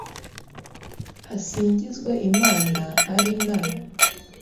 Hasingizwe Imana ari na